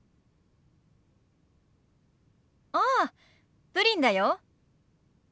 ああプリンだよ。